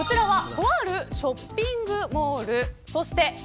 とあるショッピングモールです。